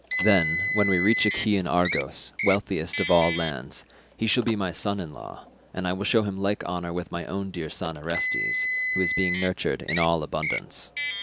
Then, when we reach Achaean Argos, wealthiest of all lands, he shall be my son in law and I will show him like honour with my own dear son Orestes, who is being nurtured in all abundance.